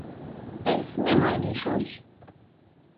Es nemainīšos.